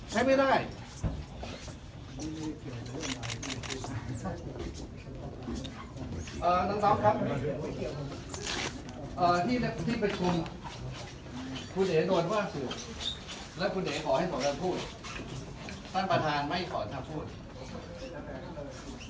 ต้านประธานไม่ขอจะพูด